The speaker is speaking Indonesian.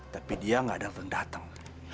tapi dia nggak datang datang